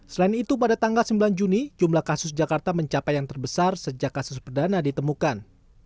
selain itu pada tanggal sembilan juni jumlah kasus jakarta mencapai yang terbesar sejak kasus perdana ditemukan